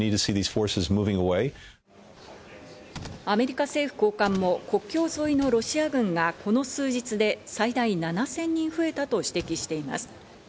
アメリカ政府高官も国境沿いのロシア軍がこの数日で最大７０００人増えたと指摘しています。